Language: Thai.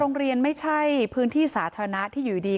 โรงเรียนไม่ใช่พื้นที่สาธารณะที่อยู่ดี